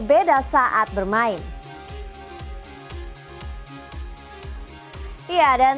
betul banget momocan